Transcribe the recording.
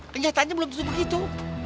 kenyataannya belum tentu begitu